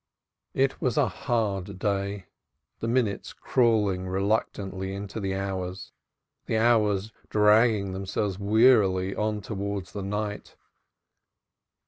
It was a hard day, the minutes crawling reluctantly into the hours, the hours dragging themselves wearily on towards the night.